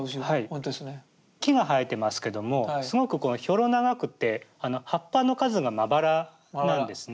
木が生えてますけどもすごくこうひょろ長くて葉っぱの数がまばらなんですね。